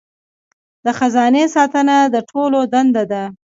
د خزانې ساتنه د ټولو دنده ده.